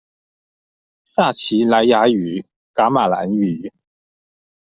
撒奇萊雅語、噶瑪蘭語